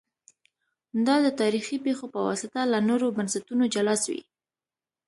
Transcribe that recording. دا د تاریخي پېښو په واسطه له نورو بنسټونو جلا سوي